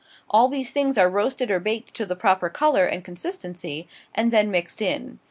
All these things are roasted or baked to the proper color and consistency, and then mixed in.